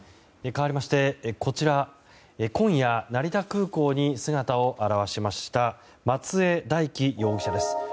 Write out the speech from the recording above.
かわりまして、こちら今夜、成田空港に姿を現しました松江大樹容疑者です。